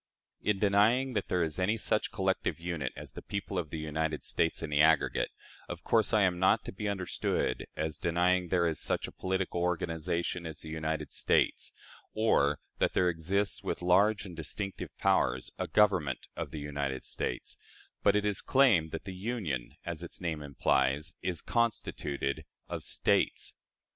In denying that there is any such collective unit as the people of the United States in the aggregate, of course I am not to be understood as denying that there is such a political organization as the United States, or that there exists, with large and distinct powers, a Government of the United States; but it is claimed that the Union, as its name implies, is constituted of States.